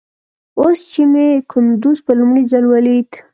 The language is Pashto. اوس چې مې کندوز په لومړي ځل وليد.